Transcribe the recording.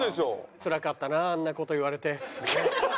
つらかったなあんな事言われて。